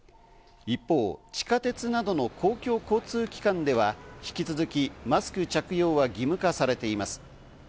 一方、地下鉄などの公共交通機関では引き続きマスク着用は義務化されています。